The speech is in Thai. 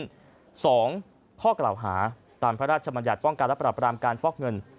สองข้อกล่าวหาตามพระราชบัญญัติป้องกันและปรับรามการฟอกเงิน